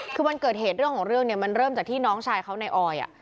คือวันเกิดเหตุเรื่องของเรื่องเนี่ยมันเริ่มจากที่น้องชายเขาในออย